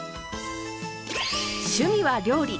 趣味は料理。